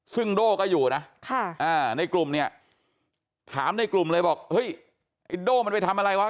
ซึ่งโด่ก็อยู่นะในกลุ่มเนี่ยถามในกลุ่มเลยบอกเฮ้ยไอ้โด่มันไปทำอะไรวะ